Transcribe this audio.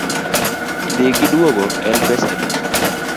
Dhi gi duogo en pesa adi?